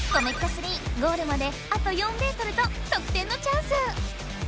３ゴールまであと４ｍととく点のチャンス！